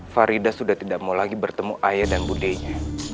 faridah sudah tidak mau lagi bertemu ayah dan buddhanya